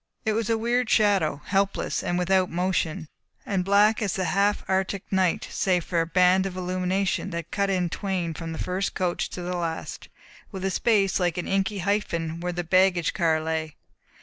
It was a weird shadow, helpless and without motion, and black as the half Arctic night save for the band of illumination that cut it in twain from the first coach to the last, with a space like an inky hyphen where the baggage car lay.